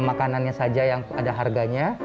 makanannya saja yang ada harganya